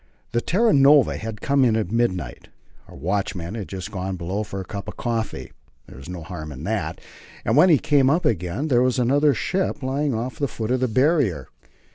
The Terra Nova had come in at midnight. Our watchman had just gone below for a cup of coffee there was no harm in that and when he came up again, there was another ship lying off the foot of the Barrier.